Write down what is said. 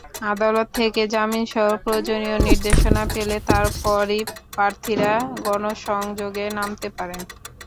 আদালত থেকে জামিনসহ প্রয়োজনীয় নির্দেশনা পেলে তার পরই প্রার্থীরা গণসংযোগে নামতে পারেন।